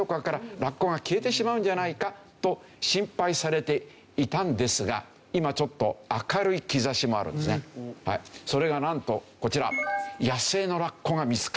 ラッコが消えてしまうんじゃないかと心配されていたんですがそれがなんとこちら。